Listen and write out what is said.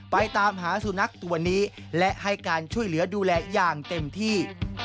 ไปตามหาสุนัขตัวนี้และให้การช่วยเหลือดูแลอย่างเต็มที่